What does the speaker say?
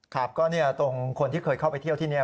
ครับก็ตรงคนที่เคยเข้าไปเที่ยวที่นี่